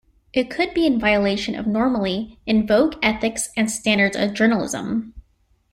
It could be in violation of normally in vogue ethics and standards of journalism.